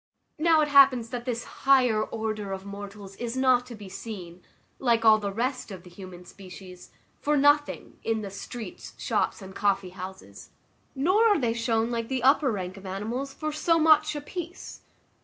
Now it happens that this higher order of mortals is not to be seen, like all the rest of the human species, for nothing, in the streets, shops, and coffee houses; nor are they shown, like the upper rank of animals, for so much a piece.